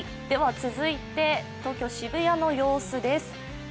続いて、東京・渋谷の様子です。